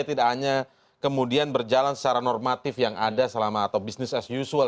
tidak hanya kemudian berjalan secara normatif yang ada selama atau business as usual